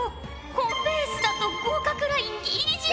このペースだと合格ラインギリギリじゃ。